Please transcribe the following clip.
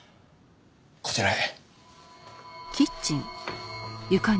こちらへ。